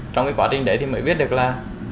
trong cái quá trình đấy thì mới biết được là